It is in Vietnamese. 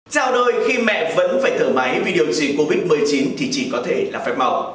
dạo đôi khi mẹ vẫn phải thở máy vì điều trị covid một mươi chín thì chỉ có thể là phép màu